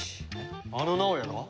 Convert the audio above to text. あの直哉が？